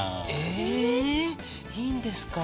え⁉いいんですか？